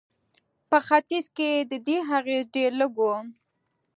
په ختیځ کې د دې اغېز ډېر لږ و.